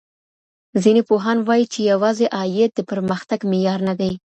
ځينې پوهان وايي چي يوازي عايد د پرمختګ معيار نه دی.